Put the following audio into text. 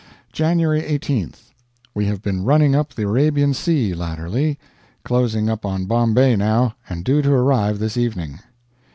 January 18th. We have been running up the Arabian Sea, latterly. Closing up on Bombay now, and due to arrive this evening.